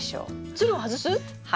ツルを外す⁉はい。